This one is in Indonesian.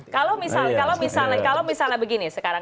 kalau misalnya begini sekarang